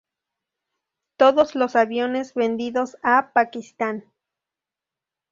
Todos los aviones vendidos a Pakistán.